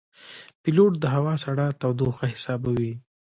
پیلوټ د هوا سړه تودوخه حسابوي.